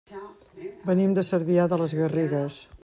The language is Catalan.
Venim de Cervià de les Garrigues.